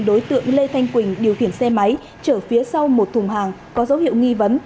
đối tượng lê thanh quỳnh điều khiển xe máy chở phía sau một thùng hàng có dấu hiệu nghi vấn